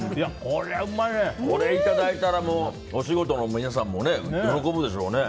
これいただいたらお仕事の皆さんも喜ぶでしょうね。